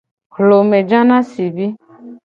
Hlome ja na sibi.